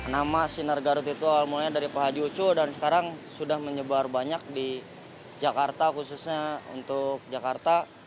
nama sinar garut itu awal mulanya dari pak hajocu dan sekarang sudah menyebar banyak di jakarta khususnya untuk jakarta